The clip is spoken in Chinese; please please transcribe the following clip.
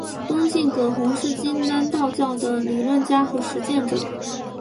东晋葛洪是金丹道教的理论家与实践者。